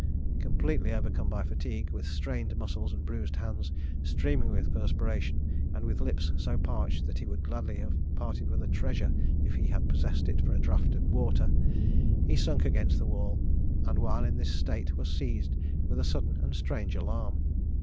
Completely overcome by fatigue, with strained muscles and bruised hands, streaming with perspiration, and with lips so parched that he would gladly have parted with a treasure if he had possessed it for a draught of water, he sunk against the wall, and while in this state was seized with a sudden and strange alarm.